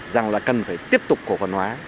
rằng là cần phải tiếp tục cổ phần hóa